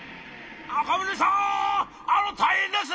「赤宗さんあの大変です！